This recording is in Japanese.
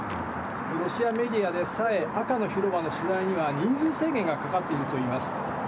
ロシアメディアでさえ、赤の広場の取材には、人数制限がかかっているといいます。